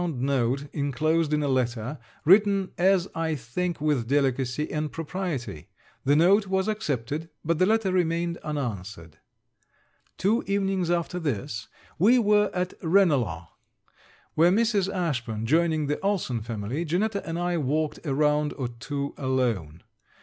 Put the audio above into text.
note, inclosed in a letter, written as I think with delicacy and propriety. The note was accepted, but the letter remained unanswered. Two evenings after this, we were at Ranelagh, where Mrs. Ashburn joining the Ulson family, Janetta and I walked a round or two alone.